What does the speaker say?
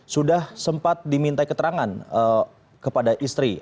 sudah sempat diminta keterangan kepada istri